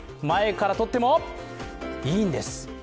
前から撮っても、いいんです！